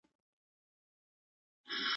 تاسو په روښانه لید سره اهدافو ته ژر رسیږئ.